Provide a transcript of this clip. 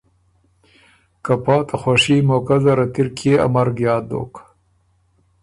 که پا ته خوشي موقع زرت اِر کيې ا مرګ یاد دوک